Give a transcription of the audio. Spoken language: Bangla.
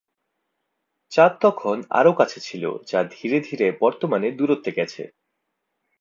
চাঁদ তখন আরো কাছে ছিল যা ধীরে ধীরে বর্তমানে দূরত্বে গেছে।